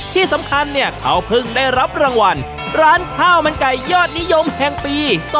ที่สำคัญเนี่ยเขาเพิ่งได้รับรางวัลร้านข้าวมันไก่ยอดนิยมแห่งปี๒๕๖